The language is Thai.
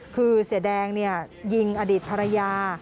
คือเสียแดงยิงอดีตภรรยา